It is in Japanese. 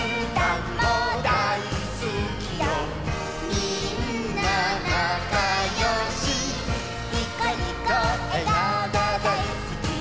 「みんななかよし」「ニコニコえがおがだいすき」